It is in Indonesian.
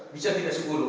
bisa tidak sepuluh